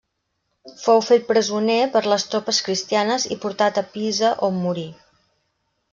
Fou fet presoner per les tropes cristianes i portat a Pisa, on morí.